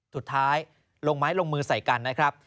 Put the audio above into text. สุดท้ายลงไม้ลงมือใส่กัน